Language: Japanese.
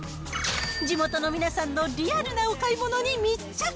地元の皆さんのリアルなお買い物に密着。